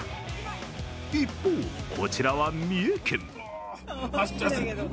一方、こちらは三重県。